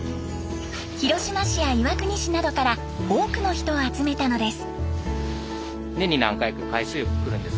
広島市や岩国市などから多くの人を集めたのです。